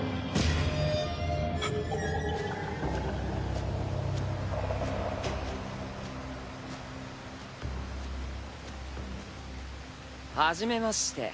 はっ！はじめまして。